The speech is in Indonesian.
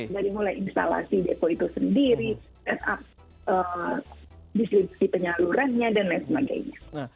dari mulai instalasi depo itu sendiri distribusi penyalurannya dan lain sebagainya